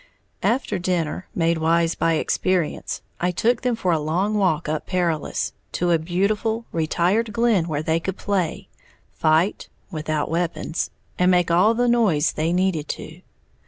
After dinner, made wise by experience, I took them for a long walk up Perilous, to a beautiful, retired glen where they could play, fight (without weapons) and make all the noise they needed to.